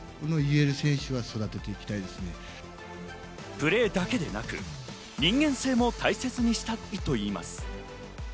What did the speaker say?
プレーだけでなく、人間性も大切にしたいと言います。